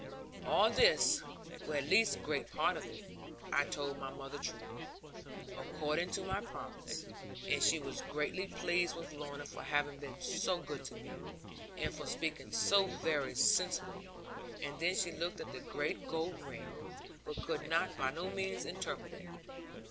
All this, or at least great part of it, I told my mother truly, according to my promise; and she was greatly pleased with Lorna for having been so good to me, and for speaking so very sensibly; and then she looked at the great gold ring, but could by no means interpret it.